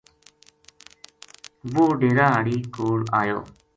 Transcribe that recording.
وہ ڈیرا ہاڑی کوڑ ایو